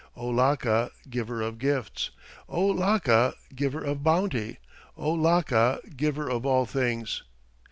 O Laka, giver of gifts! O Laka, giver of bounty! O Laka, giver of all things!"